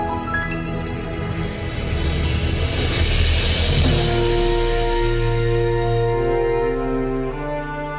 อากาศที่สงสมุดของคุณแอท